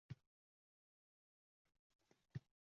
Axir Veda